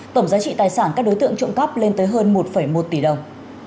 tổng giá trị tài sản các đối tượng trộm cắp lên tới hơn một một tỷ đồng